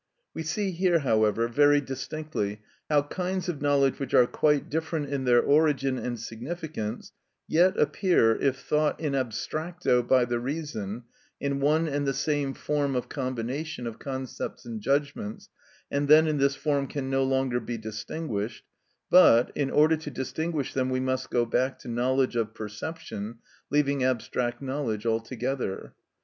We see here, however, very distinctly how kinds of knowledge which are quite different in their origin and significance yet appear, if thought in abstracto by the reason, in one and the same form of combination of concepts and judgments, and then in this form can no longer be distinguished, but, in order to distinguish them, we must go back to knowledge of perception, leaving abstract knowledge altogether.